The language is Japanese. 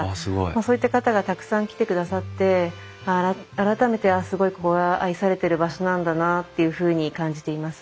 そういった方がたくさん来てくださって改めてすごいここが愛されてる場所なんだなっていうふうに感じています。